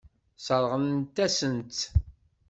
Sseṛɣent-asent-tt.